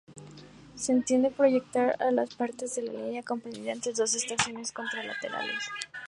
Se entiende por trayecto la parte de línea comprendida entre dos estaciones colaterales.